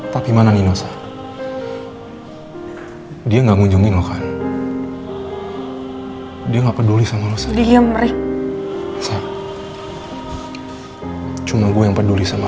tapi mana nino dia nggak ngunjungin lo kan dia nggak peduli sama lo dia merih cuma gue yang peduli sama